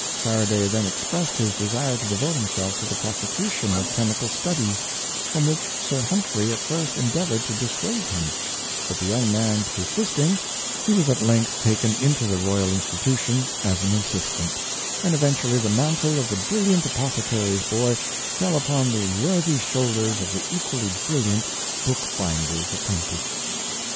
Faraday then expressed his desire to devote himself to the prosecution of chemical studies, from which Sir Humphrey at first endeavored to dissuade him; but the young man persisting, he was at length taken into the Royal Institution as an assistant 5 and eventually the mantle of the brilliant apothecary *s boy fell upon the worthy shoulders of the equally brilliant bookbinder's apprentice.